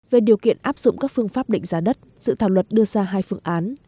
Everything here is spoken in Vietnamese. về điều kiện áp dụng các phương pháp định giá đất dự thảo luật đưa ra hai phương án